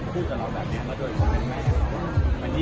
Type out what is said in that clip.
ซึ่งวันปีสุดท้าย